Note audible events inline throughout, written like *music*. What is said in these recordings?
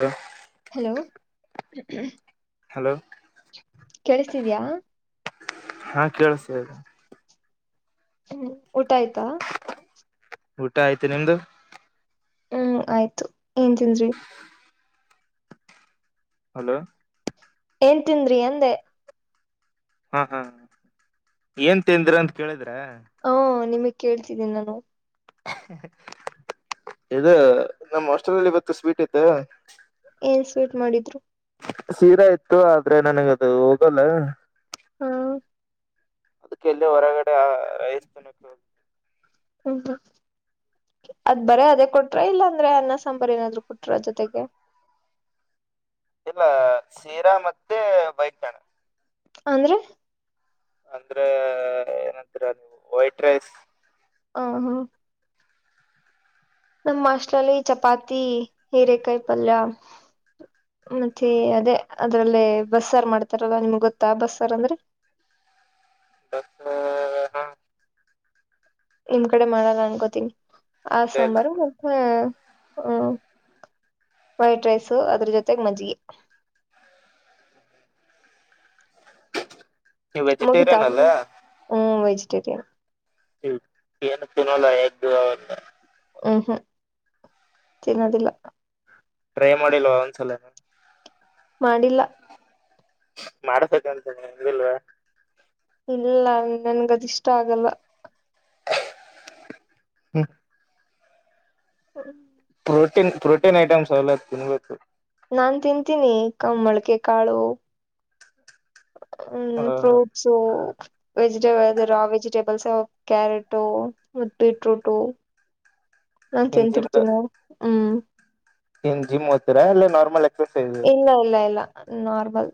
ಹ *unintelligible* ಹಲೋ ್ಮ *unintelligible* ಹಲೋ ಕೇಳಸ್ತಿದಯಾ ಹಾ ಕೇಳಸ್ತಾದೆ. ಹ್ಮ್ ಊಟ ಆಯ್ತಾ ಊಟ ಆಯ್ತು ನಿಮ್ದು ಹ್ಮ್ ಆಯ್ತು ಏನ್ ತಿಂದ್ರಿ ಅಲೋ ಏನ್ ತಿಂದ್ರ ಅಂದೆ ಹಾ ಹಾ ಏನ್ ತಿಂದ್ರ ಅಂತ ಕೇಳಿದ್ರ ಹ ನಿಮಗ್ ಕೇಳ್ತಿದ್ದೀನಿ ನಾನು ಇದು ನಮ್ಮ್ ಹಸ್ಟೆಲ್ಲ್ಲಿ ಇವತ್ತು ಸ್ವೀಟ್ ಐತೆ ಏನ್ ಸ್ವೀಟ್ ಮಾಡಿದ್ರು ಸೀರೆಾ ಇತ್ತು ಆದ್ರೆ ನನಗದು ಹೋಗಲ್ಲ ಹ್ಮ ಅದಕ್ಕೆಲ್ಲಿ ಹೊರಗಡೆ ರೈಸರ್ತನಕ್ಕೆ ಹ್ಮ್ ಹ್ಮ್ ಅದ್ ಬರೀ ಅದೇ ಕೊಟ್ರ ಇಲ್ಲಾಂದ್ರೆ ಅನ್ನ ಸಾಂಬಾರ ಏನಾದ್ರು ಕೊಟ್ರ ಜೊತೆಗೆ ಇಲ್ಲ ಸೀರಾ ಮತ್ತೆ ಬೈ *unintelligible* ಅಂದ್ರೆ ಅಂದ್ರೆ ಏನಂತೀರ ನೀವು ವೈಟ್ ರೈಸ್ ಆ ಹಾ ನಮ್ಮ ಹಾಸ್ಟೆಲ್ ಅಲ್ಲಿ ಚಪಾತಿ ಹೀರೆಕಾಯಿ ಪಲ್ಯ ಮತ್ತೆ ಅದೇ ಅದ್ರಲ್ಲೇ ಬಸ್ ಸಾರ್ ಮಾಡ್ತಾರಲ್ವಾ ನಿಮ್ಗೆ ಗೊತ್ತಾ ಬಸ್ ಸಾರ್ ಅಂದ್ರೆ ಬ ಹ *unintelligible* ನಿಮ್ ಕಡೆ ಮಾಡಲ್ಲ ಅನ್ಕೋತೀನಿ ಆ ಇಲ್ಲ ಇಲ್ಲ ಸಾಂಬಾರು ಹಾ ಹ ವೈಟ್ ರೈಸ ಅದ್ರ ಜೊತೆಗೆ ಮಜ್ಜಿಗೆ ನೀವು *unintelligible* ವೆಜಿಟೇರಿಯನ್ ಅಲ್ಲ ಹ್ಮ್ ವೆಜಿಟೇರಿಯನ್ ಏನು ತಿನ್ನೋಲ್ಲ ಎಗ್ದು ಅವ ಹ್ಮ್ ಹ್ಮ್ ತಿನ್ನೋದಿಲ್ಲ ಟ್ರೈ ಮಾಡಿಲ್ವ ಒಂದ್ಸಲ ಮಾಡಿಲ್ಲ ಮಾಡಸಕಂತ ನಿಂದಿಲ್ವಾ ಇಲ್ಲ ನನ್ಗದ ಇಷ್ಟ ಆಗಲ್ಲ. ಹ್ಮ *inaudible* ಪ್ರೋಟೀನ್ ಪ್ರೋಟೀನ್ ಐಟಮ್ಸ್ ಅವೆಲ್ಲ ತಿನ್ಬೇಕು. ನಾನ್ ತಿಂತೀನಿ ಕಂಬಳಕೆ ಮೋಳ್ಕೆಕಾಳು ಹ್ಮ ಹ ಫ್ರೂಟ್. ಸೊ ವೆಜಿಟೇಬಲ್ ಅ ರಾ ವೆಜಿಟೇಬಲ್ಸ್ ಕ್ಯಾರೆಟು ಬೀಟ್ರೂಟ. *inaudible* ನಾನ್ ತಿಂತಿರ್ತೀವಿ ನಾವು ಹ್ಮ್. ಎನ್ ಜಿಮ್ ಹೋತೀರಾ ಇಲ್ಲ ನಾರ್ಮಲ್ ಎಕ್ಸಸೈಸ್ ಇಲ್ಲ ಇಲ್ಲ ಇಲ್ಲ ನಾರ್ಮಲ್.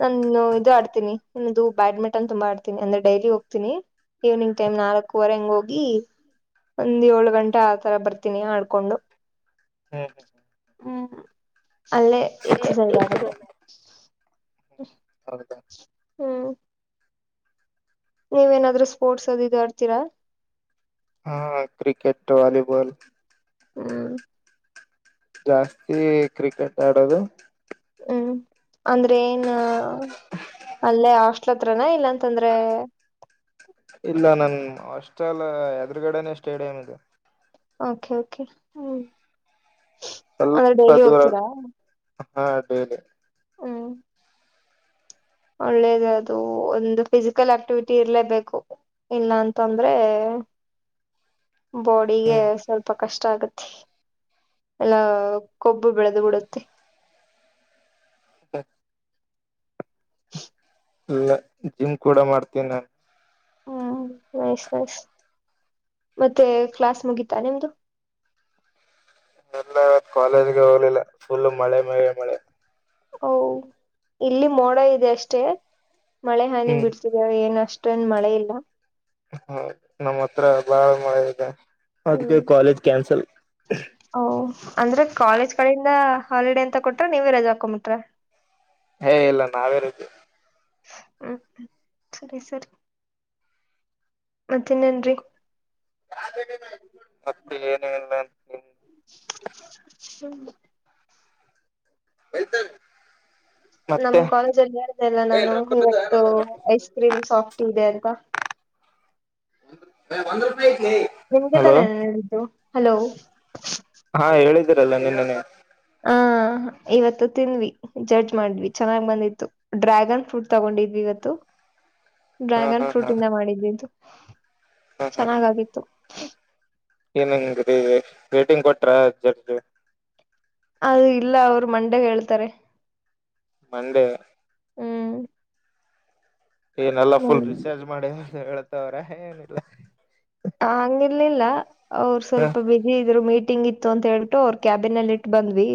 ನಾನು ಇದು ಆಡ್ತೀನಿ ಎನ್ ಅದು ಬ್ಯಾಡ್ಮಿಟನ್ ತುಂಬಾ ಆಡ್ತೀನಿ ಅಂದ್ರೆ ಡೈಲಿ ಹೋಗ್ತೀನಿ. ಈವ್ನಿಂಗ್ ಟೈಮ್ ನಾಲ್ಕೂವರೆ ಹಂಗೆ ಹೋಗಿ. ಒಂದ್ ಏಳು ಗಂಟೆ ಆ ತರ ಬರ್ತೀನಿ ಆಡ್ಕೊಂಡು. ಹ್ಮ ಹ್ಮ್ ಅಲ್ಲೇ ಎಕ್ಸಸೈಸ್ ಆಗುತ್ತೆ. ಹ್ಮ್ ಹೌದಾ ಹ್ಮ್ ನೀವು ಏನಾದ್ರು ಸ್ಪೋಡ್ಸ್ ಅದು ಇದು ಆಡ್ತೀರಾ. ಹಾ ಕ್ರಿಕೆಟ್ ವಾಲಿಬಾಲ್. ಹ್ಮ್ ಜಾಸ್ತಿ ಕ್ರಿಕೆಟ್ ಆಡೋದು. ಹ್ಮ್ ಅಂದ್ರೆ ಏನ್ ಅಲ್ಲೇ ಅಸ್ಟೆಲ್ ಅತ್ರನ ಇಲ್ಲ ಅಂತಂದ್ರೆ. ಇಲ್ಲ ನನ್ ಆಸ್ಟೆಲ್ ಎದುರುಗಡನೆ ಸ್ಟೇಡಿಯಂ ಇದೆ. ಓಕೆ ಓಕೆ ಹ್ಮ ಅಂದ್ರೆ ಸ್ವಲ್ಪ ಡೈಲಿ ದೂರ ಹೋಗ್ತೀರಾ. ಹಾ ಡೈಲಿ ಹ್ಮ್ ಒಳ್ಳೇದ ಅದು ಒಂದು ಫಿಸಿಕಲ್ ಆಕ್ಟಿವಿಟಿ ಇರ್ಲೇಬೇಕು. ಇಲ್ಲ ಅಂತಂದ್ರೆ. ಬಾಡಿಗೆ ಸ್ವಲ್ಪ ಕಷ್ಟ ಆಗತ್ತೆ ಎಲ್ಲ ಕೊಬ್. ಬೆಳೆದು ಬಿಡುತ್ತೆ. *inaudible* ಇಲ್ಲ ಜಿಮ್ ಕೂಡ ಮಾಡ್ತೀನಿ ನಾನು. ಹ್ಮ್ ನೈಸ್ ನೈಸ್ ಮತ್ತೆ ಕ್ಲಾಸ್ ಮುಗಿತಾ ನಿಮ್ದು. ಇಲ್ಲ ಇವತ್ತು ಕಾಲೇಜ್ಗೆ ಹೋಗಿಲ್ಲ ಫುಲ್ ಮಳೆ ಮಳೆ ಮಳೆ. ಓ ಇಲ್ಲಿ ಮೋಡ ಇದೆ ಅಷ್ಟೇ ಮಳೆ ಹನಿ ಹ್ಮ್ ಬಿಡ್ಸ್ ತಿದೆ ಏನ್ ಅಷ್ಟೊಂದ ಮಳೆ ಇಲ್ಲ. ಹೌ ನಮ್ಮ ಹತ್ರ ಬಾಳ ಮಳೆ ಇದೆ ಹ್ಮ್ ಅದಕ್ಕೆ ಕಾಲೇಜ್ ಕ್ಯಾನ್ಸಲ್. ಓ ಅಂದ್ರೆ ಕಾಲೇಜ್ ಕಡೆಯಿಂದ ಹಾಲಿಡೇ ಅಂತ ಕೊಟ್ರ ನೀವೇ ರಜಾ ಹಾಕೊಂಬಿಟ್ರ. ಹೇ ಇಲ್ಲ ನಾವೇ ರಜೆ. ಹ್ಮ ಸರಿ ಸರಿ ಮತ್ತೆ ಇನ್ನೇನ್ ರೀ. ಮತ್ತೆ ಏನ ಇಲ್ಲ. ಹ್ಮ್ *inaudible* ನಮ್ ಮತ್ತೆ ಕಾಲೇಜಲ್ಲಿ ಹೇಳಿದೆಲ್ಲ ನಾನು ಇವತ್ತು ಐಸ್ ಕ್ರೀಮ್ ಸಾಫ್ಟ್ ಇದೆ ಅಂತ. *inaudible* ನಿಮಗೆ ತಾನೇ ನಾನ್ ಹೇಳಿದ್ದು ಹಲೋ. ಹಾ ಹೇಳಿದೀರಲ್ಲ ನಿನ್ನೇನೆ ಹ ಇವತ್ತು ತಿಂದ್ವಿ ಜಡ್ಜ್ ಮಾಡ್ವಿ ಚೆನ್ನಾಗ್ ಬಂದಿತ್ತು ಡ್ರ್ಯಾಗನ್ ಫ್ರೂಟ್ ತಗೊಂಡಿದ್ವಿ ಇವತ್ತು ಸುಯ್ಯಿ ಡ್ರ್ಯಾಗನ್ ಫ್ರೂಟ್ ಇಂದ ಮಾಡಿದ್ದಿದ್ದು ಹಾ ಚೆನ್ನಾಗಾಗಿತ್ತು ಎಂಗ್ ರೀ ರೇಟಿಂಗ್ ಕೊಟ್ರಾ ಜಡ್ಜ್ ಅದು ಇಲ್ಲ ಅವರು ಮಂದ್ಯಾಗ ಹೇಳ್ತಾರೆ ಮಂಡೇ ಹ್ಮ್ ಏನಲ್ಲ ಫುಲ್ ಹ್ಮ್ ರೀಚಾರ್ಜ್ ಮಾಡಿ ಹೇಳ್ತವ್ರ ಏನಿಲ್ಲ ಹ ಹಂಗಿರ್ಲಿಲ್ಲ ಅವರು ಹ ಸ್ವಲ್ಪ ಬ್ಯುಸಿ ಇದ್ರು ಮೀಟಿಂಗ್ ಇತ್ತು ಅಂತ ಹೇಳ ಇ ಅವರ್ ಕ್ಯಾಬಿನ್ಲ್ಲಿ ಇಟ್ ಬಂದ್ವಿ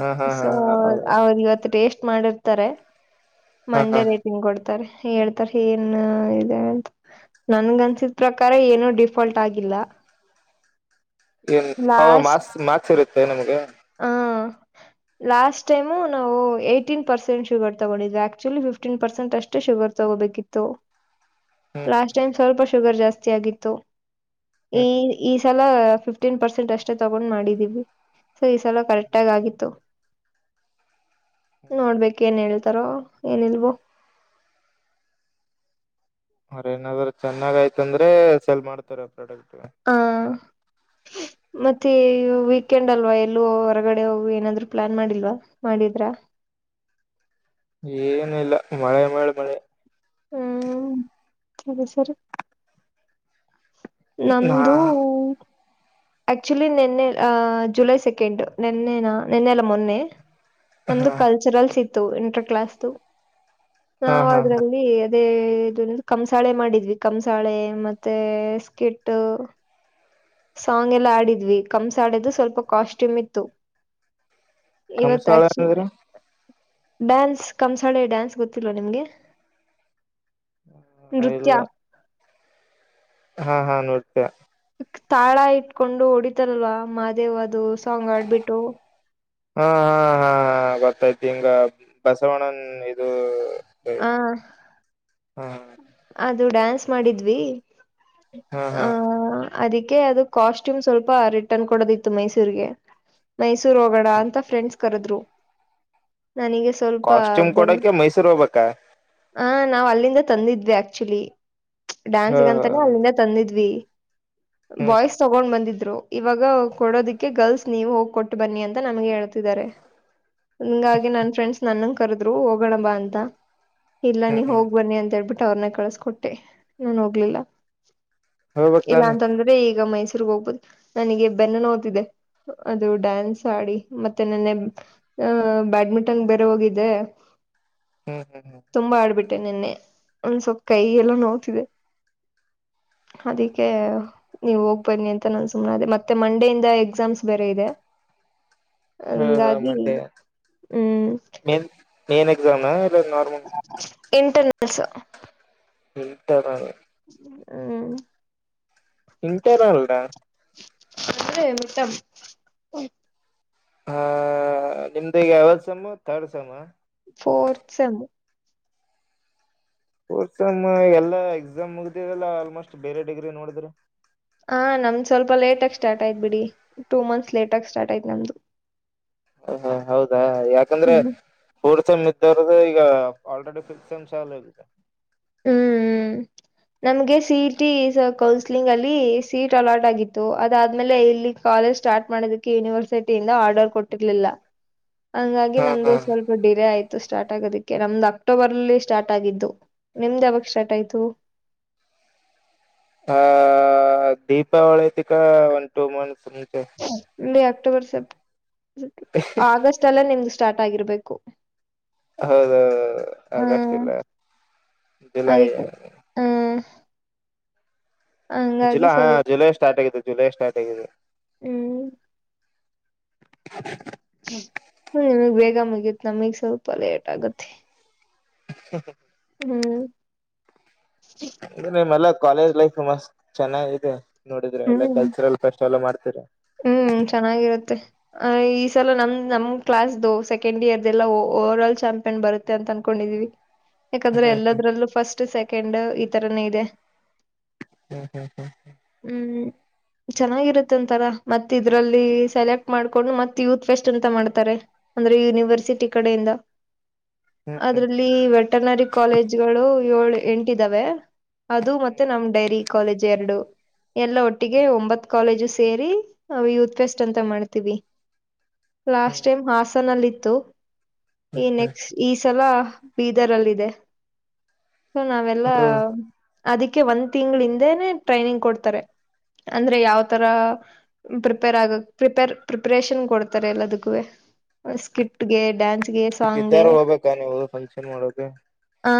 ಹಾ ಹಾ ಹಾ ಸೊ ಹೌದಾ ಅವರು ಇವತ್ತು ಟೇಸ್ಟ್ ಮಾಡಿರ್ತಾರೆ ಹಾ ಹಾ ಮಂಡೇ ರೇಟಿಂಗ್ ಕೊಡ್ತ ಹತ ಹೇಳ್ತಾರೆ ಏನ್ ಇದೆ ಅಂತ ನನ್ಗ ಅನ್ಸಿದ್ ಪ್ರಕಾರ ಏನುೂ ಡಿಫಾಲ್ಟ್ ಆಗಿಲ್ಲ ಏನ್ ಅವ ಲಾಸ್ಟ್ ಮಾಸ್ ಮಾಕ್ ಇರುತ್ತೆ ನಮ್ಗೆ ಆ ಲಾಸ್ಟ್ ಟೈಮು ನಾವು ಏ್ಟನ ಪರ್ಸೆಂಟ ಶುಗರ ತಗೊಂಡ್ವಿ ಆಕ್ಚುಲಿ ಫ್ಟೀನ್ ಪರ್ಸೆಂಟ ಅಷ್ಟ ಶುಗರ ತಗೋಬೇಕಿತ್ತು ಹ್ಮ್ ಹ್ಮ್ ಲಾಸ್ಟ್ ಟೈಮ್ ಸ್ವಲ್ಪ ಶುಗರ್ ಜಾಸ್ತಿ ಆಗಿತ್ತು ಈ ಹ್ಮ್ ಹ್ಮ್ ಈ ಸಲ ಫಿಫ್ಟೀನ್ ಪರ್ಸೆಂಟ್ ಅಷ್ಟೇ ತಗೊಂಡ್ ಮಾಡಿದೀವಿ ಸೊ ಈ ಸಲ ಹ್ಮ್ ಹ್ಮ್ ಕರೆಕ್ಟ್ಗ ಆಗಿತ್ತು ಹ್ಮ್ ನೋಡ್ಬೇಕ ಏನ್ ಹೇಳ್ತಾರೋ ಏನ್ ಲ್ವೋ ಮ್ರ ಏನಾದ್ರರು ಚೆನ್ನಾಗ ಆಯ್ತ ಅಂದ್ರೆ ಸೆಲ್ ಮಾಡ್ತಾರೆ ಪ್ರಾಡಕ್ಟ್ ಹಾ ಮತ್ತೆ ವೀಕೆಂಡ್ ಅಲ್ವಾ ಎಲ್ಲೋ ಹೊರಗಡೆ ಹೋಗ ಏನಾದ್ರು ಪ್ಲಾನ್ ಮಾಡಿಲ್ವಾ ಮಾಡಿದ್ರಾ ಏನ ಇಲ್ಲ ಮಳೆ ಮೇಲೆ ಮಳೆ ಹ್ಮ್ ಸರಿ ಸರಿ ನಾ ನಮ್ದು ಆಕ್ಚುಲಿ ನಿನ್ನೆ ಜುಲೈ ಸೆಕೆಂಡ್ ನಿನ್ನೆನಾ ನಿನ್ನೆಲ್ಲ ಮೊನ್ನೆ ನಮ್ದು ಹಾ ಕಲ್ಚರಲ್ಸ್ ಇತ್ತು ಇಂಟರ್ ಕ್ಲಾಸ್ ಹಾ ನಾವವು ಹಾ ಅದ್ರಲ್ಲಿ ಅದೇ ಇದ ಕಂಸಾಳೆ ಮಾಡಿದ್ವಿ ಕಂಸಾಳೆ ಮತ್ತೆ ಸ್ಕಿಟ್ ಸಾಂಗ್ ಎಲ್ಲ ಆಡಿದ್ವಿ ಕಮ್ಸ್ ಆಡಿದು ಸ್ವಲ್ಪ ಕಾಸ್ಟ್ಯೂಮ್ ಇತ್ತು ಇವತ್ತು ಕಂಸಾಳೆ ಆಕ್ಚಲಿ ಅಂದ್ರ ಡ್ಯಾನ್ಸ್ ಕಂಸಾಳೆ ಡ್ಯಾನ್ಸ್ ಗೊತ್ತಿಲ್ವಾ ನಿಮ್ಗೆ ಇಲ್ಲ ನೃತ್ಯ ಹಾ ಹಾ ನೋಡ್ತಯ ತಾಳ ಇಟ್ಕೊಂಡು ಹೊಡಿತಾರಲ್ವಾ ಮಾದೇವ್ ಅದು ಸಾಂಗ್ ಆಡ್ಬಿಟ್ಟು ಹಾ ಹಾ ಹಾ ಗೊತ್ತಾಯ್ತಿ ಹಿಂಗ ಬಸವಣ್ಣನ್ ಇದು ಆ ಹ್ಮ ಅದು ಡ್ಯಾನ್ಸ್ ಮಾಡಿದ್ವಿ ಹಾ ಹಾ ಆ ಅದಕ್ಕೆ ಅದು ಕಾಸ್ಟ್ಯೂಮ್ ಸ್ವಲ್ಪ ರಿಟರ್ನ್ ಕೊಡೋದಿತ್ತು ಮೈಸೂರ್ರಿಗೆ ಮೈಸೂರ್ ಹೋಗೋಣ ಅಂತ ಫ್ರೆಂಡ್ಸ್ ಕರೆದ್ರು ನನಗೆ ಸ್ವಲ್ಪ ಕಾಸ್ಟ್ಯೂಮ್ ಕೊಡೋಕೆ ಮೈಸೂರು ಹೋಗ್ಬೇಕಾ ಹ ನಾವ್ ಅಲ್ಲಿಂದ ತಂದಿದ್ವಿ ಆಕ್ಚುಲಿ ಹಾ ಡ್ಯಾನ್ಸ್ಗ ಅಂತಾನೆ ಅಲ್ಲಿಂದ ತಂದಿದ್ವಿ ಹ್ಮ್ ಬಾಯ್ಸ್ ತಗೊಂಡ್ ಬಂದಿದ್ರು ಇವಾಗ ಕೊಡೋದಿಕ್ಕೆ ಗರ್ಲ್ಸ್ ನೀವು ಹೋಗ್ ಕೊಟ್ಟು ಬನ್ನಿ ಅಂತ ನಮ್ಗೆ ಹೇಳ್ತಿದ್ದಾರೆ ಹಂಗಾಗಿ ನನ್ ಫ್ರೆಂಡ್ಸ್ ನನ್ಂಗ ಕರ್ದ್ರು ಹೋಗೋಣ ಬಾ ಅಂತ ಇಲ್ಲ ನೀ ಹ್ಮ್ ಹ್ಮ್ ಹೋಗ್ಬನ್ನಿ ಅಂತ ಹೇಳ್ಬಿಟ್ಟು ಅವ್ರನ್ನ ಕಳ್ಸ್ಕೊಟ್ಟೆ ನೀನ್ ಹೋಗ್ಲಿಲ್ಲ ಹೋಗ್ಬೇಕ್ ಇಲ್ಲ ತಾನೆ ಅಂತಂದ್ರೆ ಈಗ ಮೈಸೂರ್ ಹೋಗ್ಬೋುದು ನನಗೆ ಬೆನ್ನು ನೋತಿದೆ ಅದು ಡ್ಯಾನ್ಸ್ ಆಡಿ ಮತ್ತೆ ನನ್ನೆ ಹ ಬ್ಯಾಡ್ಮಿಂಟನ್ ಬೇರೆ ಹೋಗಿದ್ದೆ ಹ್ಮ್ ಹ್ಮ್ ಹ್ಮ್ ತುಂಬಾ ಆಡ್ಬಿಟ್ಟೆ ನಿೆನ್ನೆ ಒಂದ ಸ್ವಲ್ಪ ಕೈ ಎಲ್ಲ ನೋ್ತಿದೆ ಅದಕ್ಕೆ ನೀವ್ ಹೋಗ್ಬನ್ನಿ ಅಂತ ನನ್ ಸುಮ್ನೆ ಅೇ ಮತ್ತೆ ಮಂಡೆಯ ಇಿಂದ ಎಕ್ಸಾಮ್ಸ್ ಬೇರೆ ಇದೆ ಹಾ ಹಾ ಹಂಗಾಗಿ ಹ್ಮ್ ಮೆ ಮ ಏನ್ ಎಕ್ಸಾಮ ಇಲ್ಲ ನಾರ್ಮಲ್ ಇಂಟರ್ನಲ್ಸ್ ಇಂಟರ್ನಲ್ ಹ್ಮ್ ಇಂಟರರ್ ಗ ಅಂದ್ರೆ ಹಾ ನಿಮ್ದ ಯಾವ ಸೇಮ್ ಥರ್ಡ್ ಸೇಮ್ ಹ ಫೋರ್ತ್ ಸೇಮ್ ಫೋರ್ಥ್ ಸೇಮ್ ಎಲ್ಲ ಎಕ್ಸಾಮ್ ಮುಗ್ದಿದೆಲ್ಲ ಆಲ್ಮೋಸ್ಟ್ ಬೇರೆ ಡಿಗ್ರಿ ನೋಡಿಧ್ರೆ ಹಾ ನಮ್ದ್ ಸ್ವಲ್ಪ ಲೇಟ ಆಗಿ ಸ್ಟಾರ್ಟ ಆಯ್ತು ಬಿಡಿ ಟು ಮಂತ್ಸ್ ಲೇಟಗಿ ಸ್ಟಾರ್ಟ್ ಆಯ್ತು ನಮ್ದು ಹ ಹಾ ಹೌದಾ ಯಾಕಂದ್ರೆ ಹ್ಮ್ ಫೋರ್ ಸೆಮ್ ಇದ್ದರ್ಧು ಈಗ ಆಲ್ರೆಡಿ ಫಿಫ್ತ್ ಸೆಮ್ ಚಾಲು ಆಗಿದೆ ಹ್ಮ್ *inaudible* ನಮಗೆ ಸಿ ಇ ಟಿ ಕೌನ್ಸ್ಲಿಂಗಲ್ಲಿ ಸೀಟ್ ಅಲಾಟ್ ಆಗಿತ್ತು ಅದಾದ್ಮೇಲೆ ಇಲ್ಲಿ ಕಾಲೇಜ್ ಸ್ಟಾರ್ಟ್ ಮಾಡೋದಕ್ಕೆ ಯೂನಿವರ್ಸಿಟಿಯಿಂದ ಆರ್ಡರ್ ಕೊಟ್ಟಿರ್ಲಿಲ್ಲ *inaudible* ಹಂಗಾಗಿ ಹಾ ನಮ್ದು ಹಾ ಸ್ವಲ್ಪ ಡಿಲೇ ಆಯ್ತು ಸ್ಟಾರ್ಟ್ ಆಗೋದಿಕ್ಕೆ ನಮ್ದು ಅಕ್ಟೋಬರಲ್ಲಿ ಸ್ಟಾರ್ಟ್ ಆಗಿದ್ದು ನಿಮ್ದ ಯಾವಗ್ ಸ್ಟಾರ್ ಆಯ್ತು ಹ ದೀಪಾವಳಿ ತಿಕ ಒನ್ ಟೂ ಮಂತ್ಸ್ ಮುಂಚೆ ಇಲ್ಲಿ ಅಕ್ಟೋಬರ್ ಸೆಪ್ಟ ಆಗಸ್ಟ್ ಲೆ ನಿಮಸ್ಟಾರ್ಟ್ ಆಗಿರ್ಬೇಕು ಹೌದೌ ಆಗಸ್ಟ್ ಹ್ಮ್ ಇಲ್ಲ ಜುಲೈ ಅದಕ್ಕೆ ಹ್ಮ್ ಹಂಗಾಗಿ ಜುಲಾ ಸ್ವಲ್ಪ ಜುಲೈ ಸ್ಟಾರ್ಟ್ ಆಗಿದೆ ಜುಲೈ ಸ್ಟಾರ್ಟ್ ಆಗಿಧು ಹ್ಮ್ *inaudible* ಹ್ಮ್ ಬೇಗ ಮುಗಿಯುತ್ ನಮಗ್ ಸ್ವಲ್ಪ ಲೇಟ್ ಆಗುತ್ತೆ ಹ ಹ ಹ್ಮ್ ನಿಮ್ಮ್ ಎಲ್ಲ ಕಾಲೇಜ್ ಲೈಫ್ ಮಸ್ತ್ ಚೆನ್ನಾಗಿದೆ ನೋಡಿದ್ರೆ ಎಲ್ಲ ಹ್ಮ್ ಕಲ್ಚರಲ್ ಕಷ್ಟ ಎಲ್ಲ ಮಾಡ್ತೀರಾ ಹ್ಮ್ ಚೆನ್ನಾಗಿರುತ್ತೆ ಆ ಈ ಸಲ ನಮ್ ನಮ್ ಕ್ಲಾಸ್ ಸೆಕೆಂಡ್ ಇಯರ್ ಎಲ್ಲಾ ಓವರ್ ಆಲ್ ಚಾಂಪಿಯನ್ ಬರುತ್ತೆ ಅಂತ ಅನ್ಕೊಂಡಿದಿವಿ ಹ ಯಾಕಂದ್ರೆ ಎಲ್ಲದ್ರಲ್ಲೂ ಫಸ್ಟ್ ಸೆಕೆಂಡ್ ಈ ತರನೇ ಇದೆ ಹ್ಮ್ ಹ್ಮ್ ಹ್ಮ್ ಹ್ಮ್ ಚೆನ್ನಾಗಿರುತ್ತೆ ಒಂಥರ ಮತ್ತೆ ಇದ್ರಲ್ಲಿ ಸೆಲೆಕ್ಟ್ ಮಾಡ್ಕೊಂಡು ಮತ್ ಯೂತ್ ಫೆಸ್ಟ್ ಅಂತ ಮಾಡ್ತಾರೆ ಅಂದ್ರೆ ಯೂನಿವರ್ಸಿಟಿ ಕಡೆಯಿಂದ ಹ್ಮ್ ಹ್ಮ್ ಅದ್ರಲ್ಲಿ ಹ್ಮ್ ವೆಟನರಿ ಕಾಲೇಜ್ಗಳು ಏಳ್ ಎಂಟು ಇದಾವೆ ಅದು ಮತ್ತೆ ನಮ್ ಡೈರಿ ಕಾಲೇಜ್ ಎರಡು ಎಲ್ಲ ಹ್ಮ್ ಒಟ್ಟಿಗೆ ಒಂಬತ್ ಕಾಲೇಜು ಸೇರಿ ನಾವು ಯೂತ್ ಫೆಸ್ಟ್ ಅಂತ ಮಾಡ್ತೀವಿ ಹ್ಮ್ ಲಾಸ್ಟ್ ಟೈಮ್ ಹಾಸನಲ್ಲಿ ಇತ್ತು ಈ ಹ್ಮ್ ಹ್ಮ್ ನೆಕ್ಸ್ಟ್ ಈ ಸಲ ಬೀದರಲ್ಲಿದೆ ಸೊ ನಾವೆಲ್ಲಾ ಅದು ಅದಕ್ಕೆ ಒಂದ್ ತಿಂಗಳ ಹಿಂದೆನೆ ಟ್ರೈನಿಂಗ್ ಕೊಡ್ತಾರೆ ಅಂದ್ರೆ ಯಾವತರ. ಪ್ರಿಪೇರ್ ಆಗಕ್ ಪ್ರಿಪೇರ್ ಪ್ರಿಪ್ರೇಷನ್ ಕೊಡ್ತಾರೆ ಎಲ್ಲದಕ್ಕೂವೆ. ಸ್ಕ್ರಿಪ್ಟ್ ಗೆ ಡಾನ್ಸ್ ಗೆ ಇದಾರು ಹೋಗ್ಬೇಕ ನೀವು ಫಂಕ್ಷನ್ ಮಾಡೋಕೆ. ಹಾ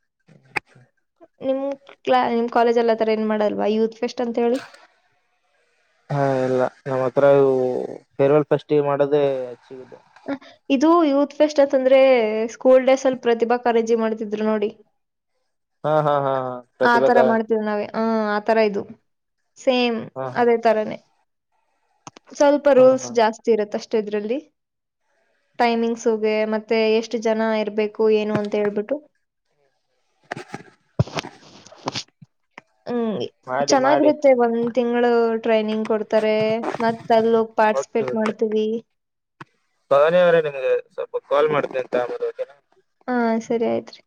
*inaudible* ನಿಮ್ ಕ್ಲಾ ನಿಮ್ ಕಾಲೇಜಲ್ಲಿ ಅತರ ಏನ್ ಮಾಡಲ್ವ ಯೂತ್ ಫೆಸ್ಟ್ ಅಂತ ಹೇಳಿ. *unintelligible* ಹಾ ಎಲ್ಲ ನಮ್ಮ್ ಹತ್ರವು ಪೇರ್ವಾಲ್ ಫಸ್ಟ್ ಮಾಡೋದೇಚ್ಚಿಗದು. ಇದು ಯೂತ್ ಫೆಸ್ಟ್ ಅಂತಂದ್ರೆ ಸ್ಕೂಲ್ ಡೇಸ್ ಅಲ್ಲಿ ಪ್ರತಿಭಾ ಕರಂಜಿ ಮಾಡ್ತಿದ್ರು ನೋಡಿ. ಹಾ ಹಾ ಹಾ ಹಾ ಆ ಪ್ರತಿಭಾ ತರ ಕಾರಂಜಿ ಮಾಡ್ತೇವಿ ನಾವೇ ಹ ಆತರ ಇದು. ಸೇಮ್ ಹಾ ಅದೇ ತರನೇ ಸ್ವಲ್ಪ ಹಾ ರೂಲ್ಸ್ ಹಾ ಜಾಸ್ತಿ. ಇರತ್ತ ಅಷ್ಟೇ ಇದ್ರಲ್ಲಿ ಟೈಮಿಂಗ್ಸುಗೆ ಮತ್ತೆ ಎಷ್ಟು ಜನ ಇರ್ಬೇಕು ಏನು ಅಂತ ಹೇಳ್ಬಿಟ್ಟು. *inaudible* ಹ್ಮ್ ಮಾಡಿ ಮಾಡಿ ಚೆನ್ನಾಗಿರುತ್ತೆ ಒಂದ್ ತಿಂಗಗಳು ಟ್ರೈನಿಂಗ್ ಕೊಡ್ತಾರೆ ಮತ್ ಅಲ್ಲಿ ಹೋಗಿ ಪಾರ್ಟ್ಸ್. ಪೆಟ್ ಮಾಡ್ತೀವಿ ಭವನಿ ಅವ್ರೆ ನಿಂಮ್ಗೆ ಸ್ವಲ್ಪ ಕಾಲ್ ಮಾಡ್ತಿನಿ ತಾ ಅಮೇಲೆ. ಹಾ ಸರಿ ಆಯ್ತ್ರಿ